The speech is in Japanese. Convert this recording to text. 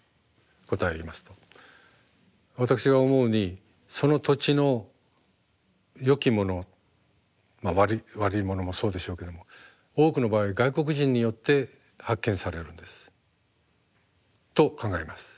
私が思うにその土地のよきもの悪いものもそうでしょうけども多くの場合外国人によって発見されるんです。と考えます。